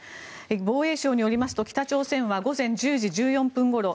防衛省によりますと北朝鮮は午前１０時１４分ごろ